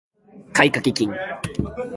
買掛金